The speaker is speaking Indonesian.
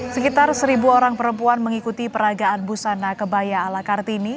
sekitar seribu orang perempuan mengikuti peragaan busana kebaya ala kartini